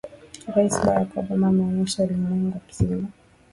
rais barak obama ameonyesha ulimwengu mzima